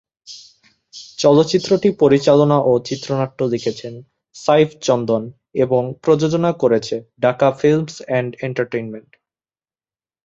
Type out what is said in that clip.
চলচ্চিত্রটি পরিচালনা ও চিত্রনাট্য লিখেছেন সাইফ চন্দন এবং প্রযোজনা করেছে ঢাকা ফিল্মস অ্যান্ড এন্টারটেইনমেন্ট।